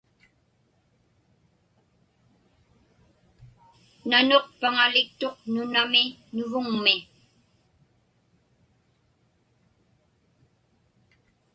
Nanuq paŋaliktuq nunami Nuvuŋmi.